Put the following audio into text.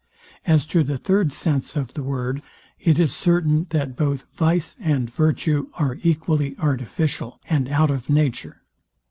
As to the third sense of the word, it is certain, that both vice and virtue are equally artificial, and out of nature.